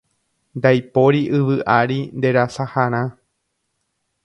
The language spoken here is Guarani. Ndaipóri yvy ári nderasaharã